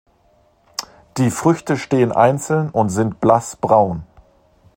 Die Früchte stehen einzeln und sind blassbraun.